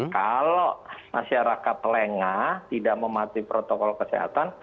kalau masyarakat lengah tidak mematuhi protokol kesehatan